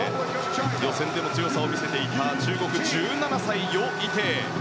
予選でも強さを見せていた中国、１７歳のヨ・イテイ。